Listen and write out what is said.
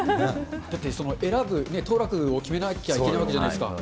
だって選ぶ、当落を決めなきゃいけないわけじゃないですか。